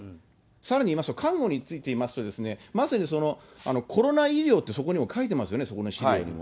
さらに言いますと、看護について言いますとですね、まさにコロナ医療ってそこにも書いてますよね、そこの資料にも。